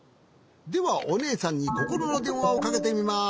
ではおねえさんにココロのでんわをかけてみます。